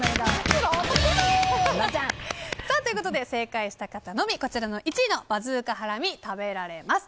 正解した方のみこちらの１位のバズーカハラミを食べられます。